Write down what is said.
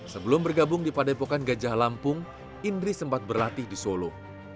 sebelum bergabung di padepokan gajah lampung indri sempat berlatih di solo